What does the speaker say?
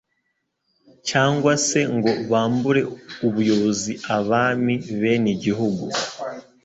cyangwa se ngo bambure ubuyobozi abami bene igihugu.